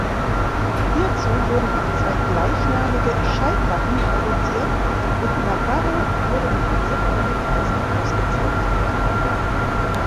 Hierzu wurden auch zwei gleichnamige Schallplatten produziert und Navarro wurde mit mehreren Preisen ausgezeichnet.